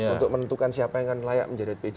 untuk menentukan siapa yang layak menjadi bpj